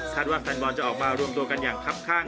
คาดว่าแฟนบอลจะออกมาร่วมตัวกันอย่างครับครั้ง